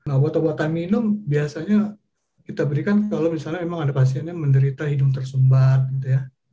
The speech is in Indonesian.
nah obat obatan minum biasanya kita berikan kalau misalnya emang ada pasien yang menderita hidung tersumbat gitu ya